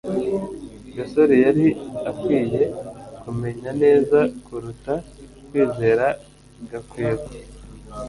gasore yari akwiye kumenya neza kuruta kwizera gakwego